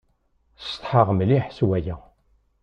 Ssetḥaɣ mliḥ s waya.